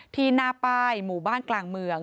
ที่หน้าป้ายหมู่บ้านกลางเมือง